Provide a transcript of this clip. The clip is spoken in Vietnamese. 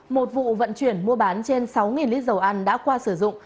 một vụ vận chuyển mua bán trên sáu lít dầu ăn đã qua sử dụng